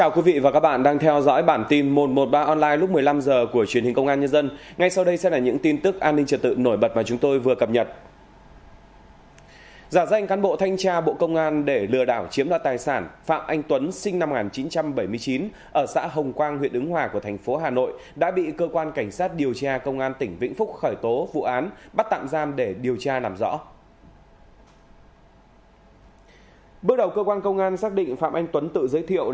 các bạn hãy đăng ký kênh để ủng hộ kênh của chúng mình nhé